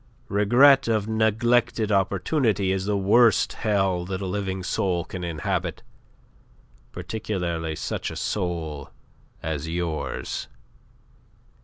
Regret of neglected opportunity is the worst hell that a living soul can inhabit, particularly such a soul as yours.